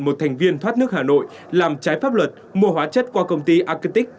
một thành viên thoát nước hà nội làm trái pháp luật mua hóa chất qua công ty argentic